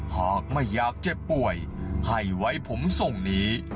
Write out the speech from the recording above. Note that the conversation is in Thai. หากไม่อยากเจ็บป่วยให้ไว้ผมทรงนี้